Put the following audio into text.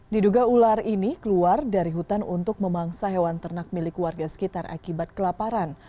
diduga ular ini keluar dari hutan untuk memangsa hewan ternak milik warga sekitar akibat kelaparan